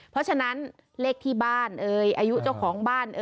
เพราะฉะนั้นเลขที่บ้านอายุเจ้าของบ้าน